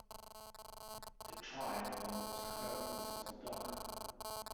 The child almost hurt the small dog.